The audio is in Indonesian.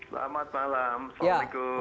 selamat malam assalamu'alaikum